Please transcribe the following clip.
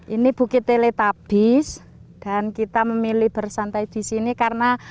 ini bukit teletabis dan kita memilih bersantai di sini karena